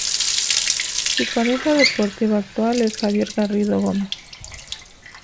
Su pareja deportiva actual es Javier Garrido Gomez.